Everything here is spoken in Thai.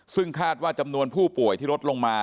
ซึ่งคาดว่าจำนวนผู้ป่วยที่ลดลงมา